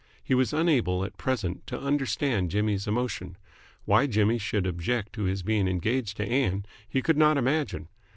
He was unable at present to understand Jimmy's emotion. Why Jimmy should object to his being engaged to Ann, he could not imagine.